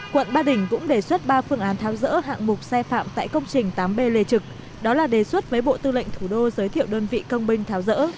quận ba đình cũng đề xuất ba phương án tháo rỡ hạng mục sai phạm tại công trình tám b lê trực đó là đề xuất với bộ tư lệnh thủ đô giới thiệu đơn vị công binh tháo rỡ